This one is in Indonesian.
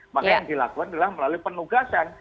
maka yang dilakukan adalah melalui penugasan